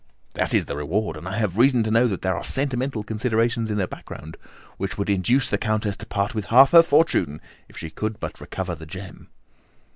"That is the reward, and I have reason to know that there are sentimental considerations in the background which would induce the Countess to part with half her fortune if she could but recover the gem."